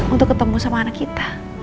untuk ketemu sama anak kita